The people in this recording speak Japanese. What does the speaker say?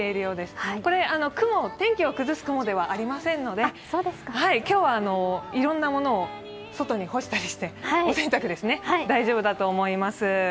この雲は天気を崩す雲ではありませんので、今日は、いろんなものを外に干したりしてお洗濯、大丈夫だと思います。